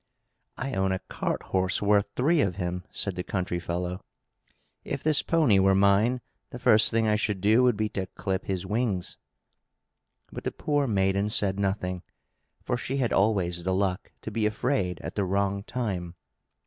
"I own a cart horse worth three of him!" said the country fellow. "If this pony were mine, the first thing I should do would be to clip his wings!" But the poor maiden said nothing, for she had always the luck to be afraid at the wrong time.